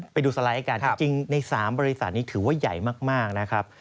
ไปดูสไลด์กันจริงใน๓บริษัทนี้ถือว่าใหญ่มากนะครับ